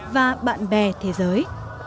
và bạn bè thế giới